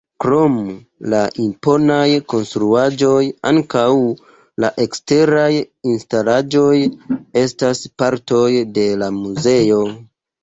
Krom la imponaj konstruaĵoj ankaŭ la eksteraj instalaĵoj estas partoj de la muzeo.